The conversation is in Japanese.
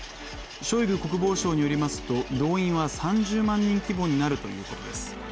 ショイグ国防相によりますと動員は３０万人規模になるということです。